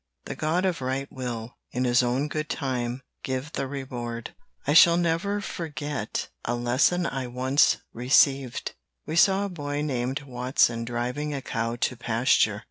The God of right will, in his own good time, give the reward.] I shall never forget a lesson I once received. We saw a boy named Watson driving a cow to pasture.